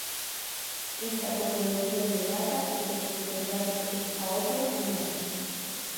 Esta coprodución de Vaca e El Terrat é a ópera prima.